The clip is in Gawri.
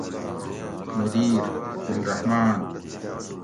مدیر: گل رحمان